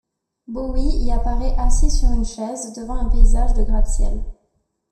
Bowie y apparaît assis sur une chaise devant un paysage de gratte-ciels.